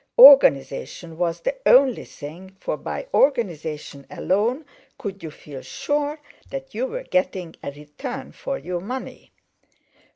Organization was the only thing, for by organization alone could you feel sure that you were getting a return for your money.